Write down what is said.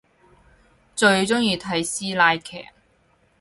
最中意睇師奶劇